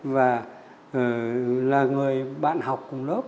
và là người bạn học